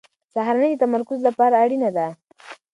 سهارنۍ د تمرکز لپاره اړینه ده.